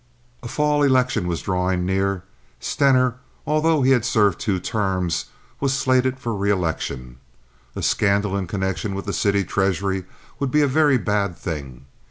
A fall election was drawing near. Stener, although he had served two terms, was slated for reelection. A scandal in connection with the city treasury would be a very bad thing.